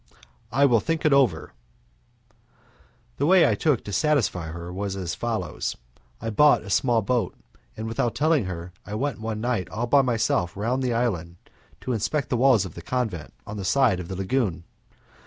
"I will think it over" The way I took to satisfy her was as follows: I bought a small boat, and without telling her I went one night all by myself round the island to inspect the walls of the convent on the side of the lagune.